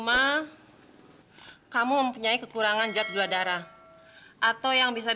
apapun apapun aku minta awal suaranya gitu